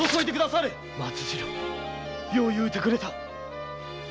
松次郎よう言うてくれた。